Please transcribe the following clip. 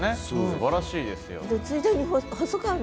すばらしいですよ。